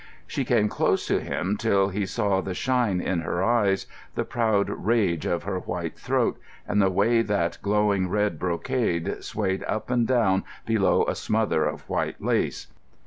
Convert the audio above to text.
She came close to him till he saw the shine in her eyes, the proud rage of her white throat, and the way that glowing red brocade swayed up and down below a smother of white lace.